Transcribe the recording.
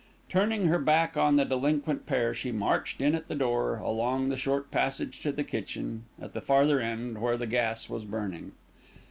Turning her back on the delinquent pair, she marched in at the door, along the short passage to the kitchen at the farther end, where the gas was burning.